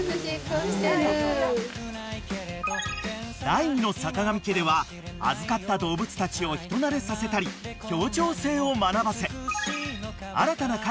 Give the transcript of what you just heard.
［第２の坂上家では預かった動物たちを人なれさせたり協調性を学ばせ］